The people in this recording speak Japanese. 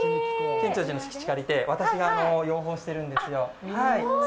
建長寺の敷地を借りて私が養蜂してるんですよ。